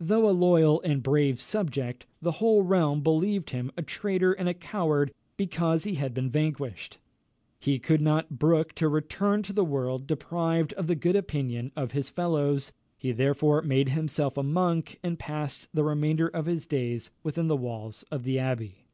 Though a loyal and brave subject, the whole realm believed him a traitor and a coward because he had been vanquished. He could not brook to return to the world deprived of the good opinion of his fellows; he therefore made himself a monk, and passed the remainder of his days within the walls of the abbey.